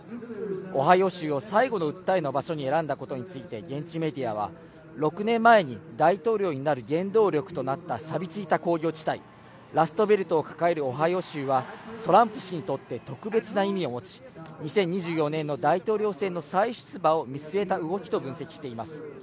オハイオ州を最後の訴えの場所に選んだことについて現地メディアは６年前に大統領になる原動力となった、さび付いた工業地帯・ラストベルトを抱えるオハイオ州は、トランプ氏にとって特別な意味を持ち、２０２４年の大統領選の再出馬を見据えた動きと分析しています。